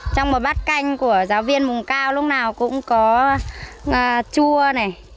trong một bát canh của giáo viên vùng cao lúc nào cũng có chua này